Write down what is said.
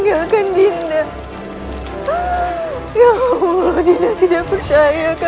masalah kabar kakak yang nitr seiner saya percaya